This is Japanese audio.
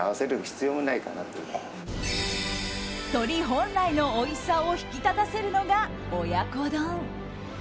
本来のおいしさを引き立たせるのが親子丼。